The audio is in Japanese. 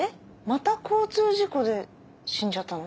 また交通事故で死んじゃったの？